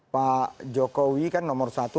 pak jokowi kan nomor satu